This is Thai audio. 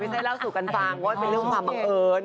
ไม่ได้เล่าสู่กันฟังว่าเป็นเรื่องความมะเอิญ